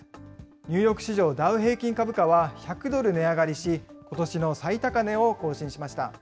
ニューヨーク市場ダウ平均株価は、１００ドル値上がりし、ことしの最高値を更新しました。